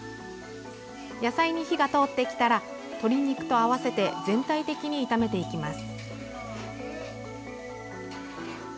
野菜に火が通ってきたら鶏肉と合わせて全体的に炒めていきます。